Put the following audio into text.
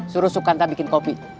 suruh sukanta bikin kopi